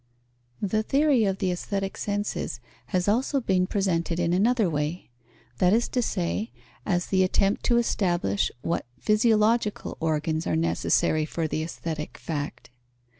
The theory of the aesthetic senses has also been presented in another way; that is to say, as the attempt to establish what physiological organs are necessary for the aesthetic fact.